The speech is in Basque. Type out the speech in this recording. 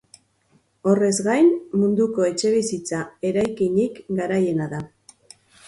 Horrez gain, munduko etxebizitza eraikinik garaiena da.